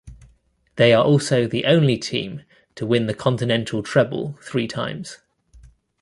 They are also the only team to win the continental treble three times.